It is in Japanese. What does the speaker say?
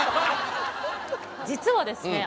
実はですね